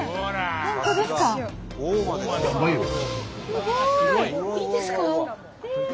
すごい！いいんですか！